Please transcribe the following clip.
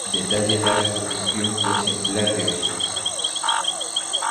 Detalle da reprodución co exemplar de hoxe.